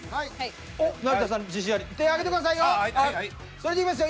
それではいきますよ。